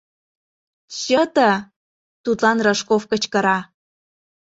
Чыте! — тудлан Рожков кычкыра.